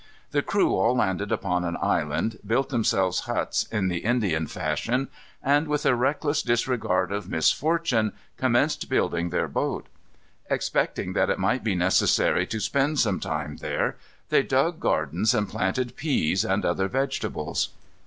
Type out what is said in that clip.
The crew all landed upon an island, built themselves huts in the Indian fashion, and, with a reckless disregard of misfortune, commenced building their boat. Expecting that it might be necessary to spend some time there, they dug gardens and planted peas and other vegetables.